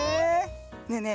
ねえねえ